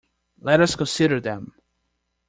Let us consider them!